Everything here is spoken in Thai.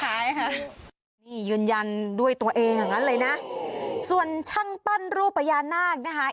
คล้ายคล้ายค่ะนี่ยืนยันด้วยตัวเองเหมือนกันเลยนะโอ้โหส่วนช่างปั้นรูปพยานาคนะฮะ